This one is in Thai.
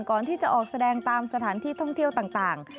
ก่อนที่จะออกแสดงตามสถานที่ท่องเที่ยวต่าง